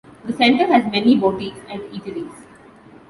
The center has many boutiques and eateries.